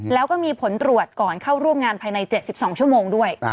แล้วก็มีผลตรวจก่อนเข้าร่วมงานภายใน๗๒ชั่วโมงด้วย